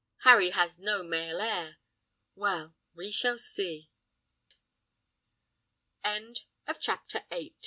Harry has no male heir. Well, we shall see!" CHAPTER